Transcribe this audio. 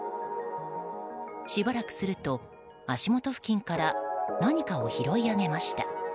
しばらくすると足元付近から何かを拾い上げました。